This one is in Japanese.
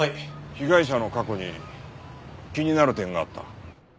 被害者の過去に気になる点があった。